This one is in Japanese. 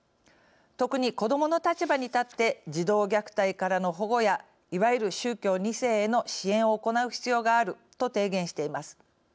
特に子どもの立場にたって児童虐待からの保護やいわゆる宗教２世への支援を行う必要があると提言しています。